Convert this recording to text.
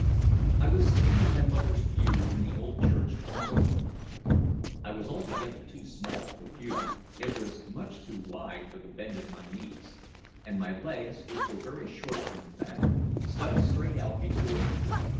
I was sitting in my mother's pew in the old church in Brooklyn. I was altogether too small for the pew, it was much too wide for the bend at my knees; and my legs, which were very short and fat, stuck straight out before me.